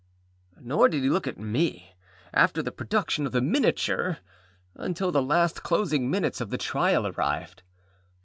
Nor did he look at me, after the production of the miniature, until the last closing minutes of the trial arrived.